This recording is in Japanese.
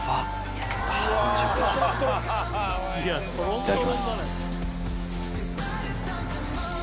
いただきます。